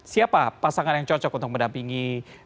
siapa pasangan yang cocok untuk mendampingi